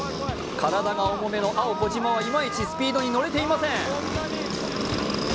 体が重めの青児嶋はいまいちスピードに乗れていません